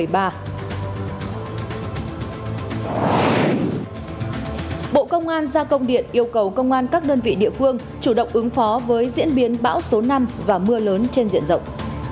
bộ công an ra công điện yêu cầu công an các đơn vị địa phương chủ động ứng phó với diễn biến bão số năm và mưa lớn trên diện rộng